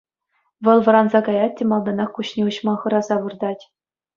Вӑл вӑранса каять те малтанах куҫне уҫма хӑраса выртать.